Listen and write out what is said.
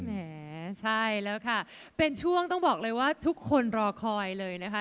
แหมใช่แล้วค่ะเป็นช่วงต้องบอกเลยว่าทุกคนรอคอยเลยนะคะ